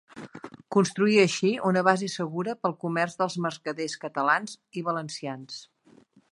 Constituïa així una base segura pel comerç dels mercaders catalans i valencians.